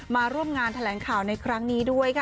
มาร่วมงานแถลงข่าวในครั้งนี้ด้วยค่ะ